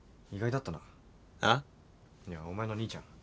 いやお前の兄ちゃん。